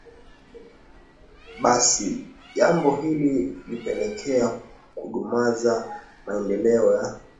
basi jambo hili lilipelekea kudumaza maendeleo ya